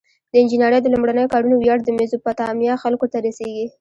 د انجنیری د لومړنیو کارونو ویاړ د میزوپتامیا خلکو ته رسیږي.